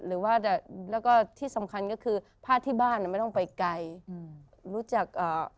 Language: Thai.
หรือว่าแล้วก็ที่สำคัญก็คือพาดที่บ้านไม่ต้องไปไกลรู้จัก